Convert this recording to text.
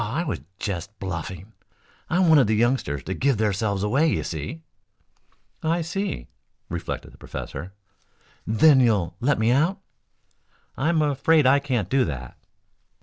"Aw, I was jest bluffing. I wanted the youngsters to give theirselves away, you see." "I see," reflected the professor. "Then you'll let me out?" "I am afraid I can't do that."